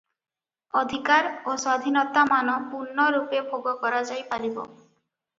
ଅଧିକାର ଓ ସ୍ୱାଧୀନତାମାନ ପୂର୍ଣ୍ଣରୂପେ ଭୋଗ କରାଯାଇ ପାରିବ ।